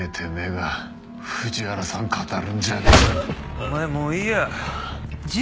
お前もういいや。